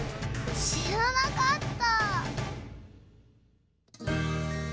しらなかった！